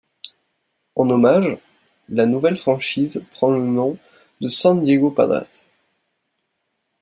En hommage, la nouvelle franchise prend le nom de San Diego Padres.